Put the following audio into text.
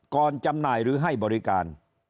จำหน่ายหรือให้บริการ